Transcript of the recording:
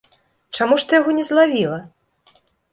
Чаму ж ты яго не злавіла?